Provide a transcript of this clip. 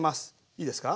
いいですか？